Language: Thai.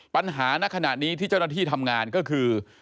ปัญหานักขนาดนี้ที่เจ้าหน้าธีฯทำงานก็คือ